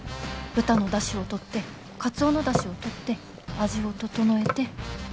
豚の出汁をとってカツオの出汁をとって味を調えて。